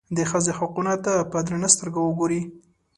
د ښځې حقونو ته په درنه سترګه وګوري.